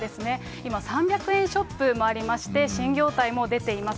今、３００円ショップもありまして、新業態も出ています。